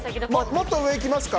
もっと上にいきますか？